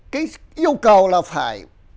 cái yêu cầu là phải